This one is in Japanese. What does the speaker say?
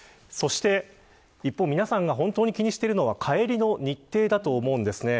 そして皆さんが気にしているのは帰りの日程だと思うんです。